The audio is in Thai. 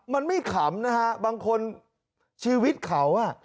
มันไม่ขำนะฮะบางคนชีวิตเขาอ่ะ